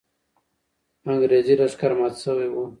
انګریزي لښکر مات سوی وو.